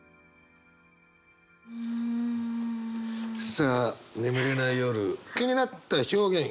さあ眠れない夜気になった表現共感ポイント。